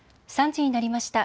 ３時になりました。